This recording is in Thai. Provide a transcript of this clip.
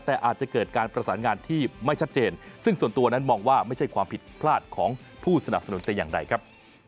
แต่อาจจะเกิดการประสานงานที่ไม่ชัดเจนซึ่งส่วนตัวนั้นมองว่าไม่ใช่ความผิดพลาดของผู้สนับสนุนแต่อย่างใดครับ